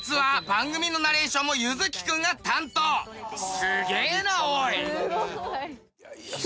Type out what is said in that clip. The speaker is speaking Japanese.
すげえなおい！